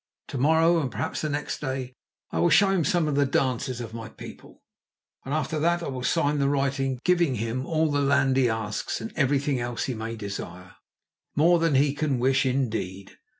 To morrow, and perhaps the next day, I will show him some of the dances of my people, and after that I will sign the writing, giving him all the land he asks and everything else he may desire, more than he can wish, indeed.